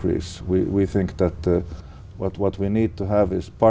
và chắc chắn là